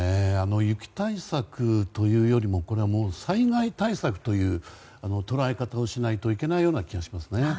雪対策というよりもこれはもう、災害対策という捉え方をしないといけないような気がしますね。